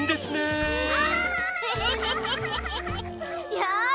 よし！